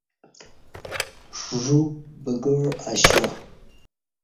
ژوک بگاع اشیا